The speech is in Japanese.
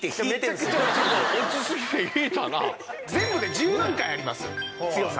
全部で１０段階あります強さ。